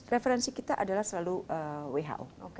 referensi kita adalah selalu who